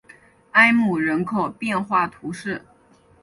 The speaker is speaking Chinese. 埃姆人口变化图示